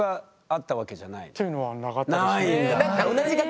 っていうのはなかったです。